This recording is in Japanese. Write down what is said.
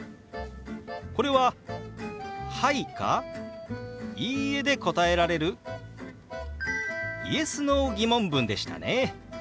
これは「はい」か「いいえ」で答えられるＹｅｓ／Ｎｏー疑問文でしたね。